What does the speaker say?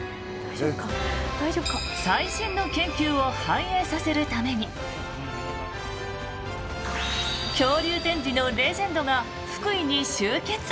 最新の研究を反映させるために恐竜展示のレジェンドが福井に集結。